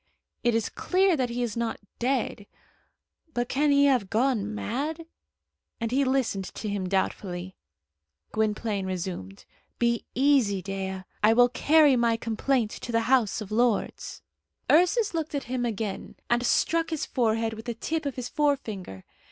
"It is clear that he is not dead; but can he have gone mad?" and he listened to him doubtfully. Gwynplaine resumed. "Be easy, Dea; I will carry my complaint to the House of Lords." Ursus looked at him again, and struck his forehead with the tip of his forefinger.